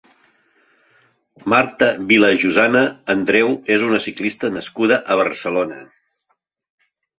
Marta Vilajosana Andreu és una ciclista nascuda a Barcelona.